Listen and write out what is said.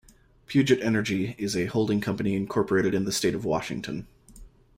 Puget Energy is a holding company incorporated in the State of Washington.